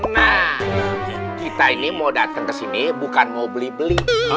nah kita ini mau datang ke sini bukan mau beli beli